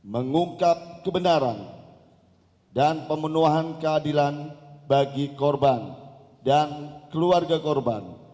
mengungkap kebenaran dan pemenuhan keadilan bagi korban dan keluarga korban